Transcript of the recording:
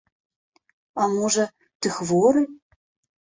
А можа, ты хворы?